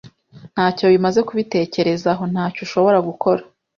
Ntacyo bimaze kubitekerezaho. Ntacyo ushobora gukora.